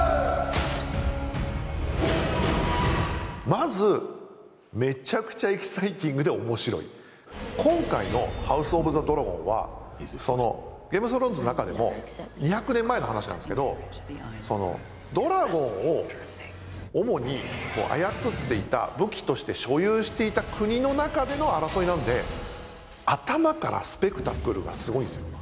まずめちゃくちゃエキサイティングで面白い今回の「ハウス・オブ・ザ・ドラゴン」はゲーム・オブ・スローンズの中でも２００年前の話なんですけどドラゴンを主に操っていた武器として所有していた国の中での争いなので頭からスペクタクルがすごいんですよ